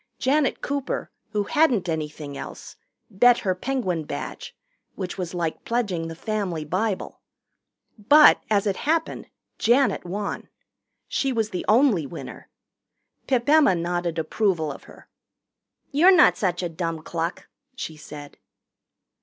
Janet Cooper, who hadn't anything else, bet her Penguin Badge, which was like pledging the family Bible. But, as it happened, Janet won. She was the only winner. Pip Emma nodded approval of her. "You're not such a dumb cluck," she said.